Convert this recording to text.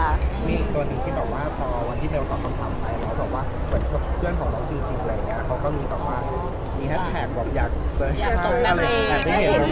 มีอีกตัวหนึ่งที่แบบว่าพอวันที่เบลตอบทำทำไปแล้วแบบว่าเหมือนเพื่อนของเราชื่อจริงอะไรอย่างเงี้ยเขาก็มีแบบว่ามีแฮทแท็กแบบอยากแบบไม่เห็นตรงแม่ค่ะอะไรอย่างเงี้ย